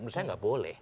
misalnya gak boleh